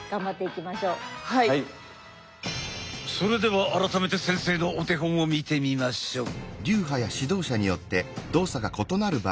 それでは改めて先生のお手本を見てみましょう。